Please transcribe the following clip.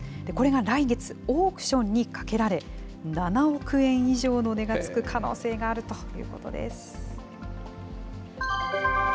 これが来月、オークションにかけられ、７億円以上の値がつく可能性があるということです。